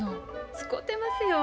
遣てますよ。